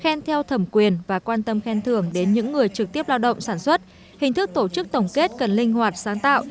khen theo thẩm quyền và quan tâm khen thưởng đến những người trực tiếp lao động sản xuất hình thức tổ chức tổng kết cần linh hoạt sáng tạo